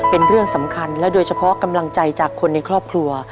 เป็นเรื่องสำคัญและโดยเฉพาะกำลังใจจากคนในครอบครัว